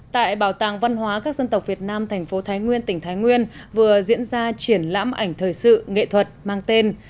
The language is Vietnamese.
tại bảo tàng văn hóa các dân tộc việt nam thành phố thái nguyên tỉnh thái nguyên vừa diễn ra triển lãm ảnh thời sự nghệ thuật mang tên